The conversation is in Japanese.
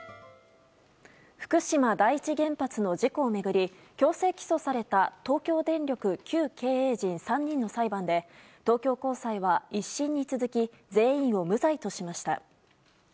福島第一原発の事故を巡り強制起訴された東京電力旧経営陣３人の裁判で東京高裁は、１審に続き全員を無罪としました。